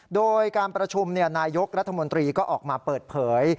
โดยการประชุมนายกรัฐมนตรีก็ออกมาเปิดเผย